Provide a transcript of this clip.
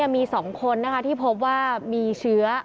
มี๒คนที่พบว่ามีเชื้อ